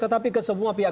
tetapi ke semua pihak